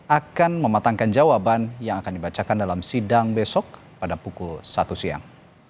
akan mematangkan jawaban yang akan dibacakan dalam sidang besok pada pukul satu siang